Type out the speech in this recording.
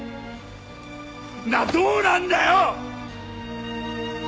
なあどうなんだよ！？